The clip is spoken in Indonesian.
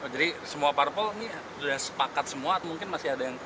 jadi semua parpol ini sudah sepakat semua atau mungkin masih ada yang